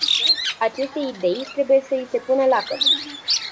Acestei idei trebuie să i se pună lacăt.